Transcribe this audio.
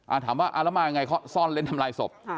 อ่าถามว่าอารมณ์ยังไงเขาซ่อนเล้นทำลายศพ